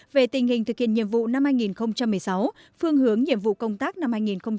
về tình hình thực hiện nhiệm vụ năm hai nghìn một mươi sáu phương hướng nhiệm vụ công tác năm hai nghìn hai mươi